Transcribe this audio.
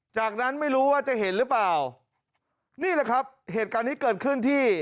จากนั้นไม่รู้ว่าจะเห็นหรือเปล่านี่แหละครับเหตุการณ์นี้เกิดขึ้นที่